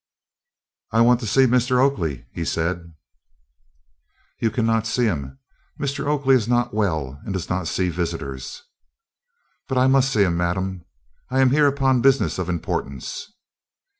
"I want to see Mr. Oakley," he said. "You cannot see him. Mr. Oakley is not well and does not see visitors." "But I must see him, madam; I am here upon business of importance."